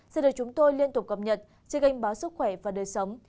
xin được chúng tôi liên tục cập nhật trên kênh báo sức khỏe và đời sống